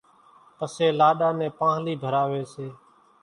پسيَ لاڏا نين پانۿلِي ڀراويَ سي۔